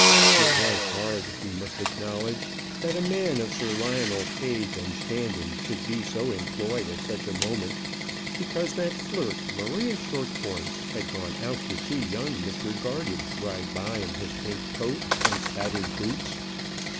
It was hard, we must acknowledge, that a man of Sir Lionel's age and standing should be so employed at such a moment, because that flirt, Maria Shortpointz, had gone out to see young Mr. Garded ride by in his pink coat and spattered boots.